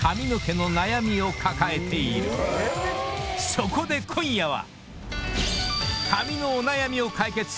［そこで今夜は］